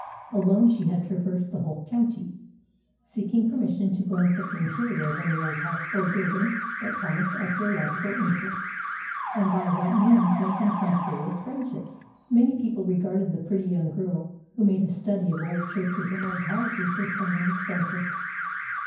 Alone she had traversed the whole county, seeking permission to glance at the interior of any old house or building that promised archaeological interest, and by that means making some curious friendships. Many people regarded the pretty young girl who made a study of old churches and old houses as somewhat eccentric.